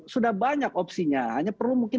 sudah banyak opsinya hanya perlu mungkin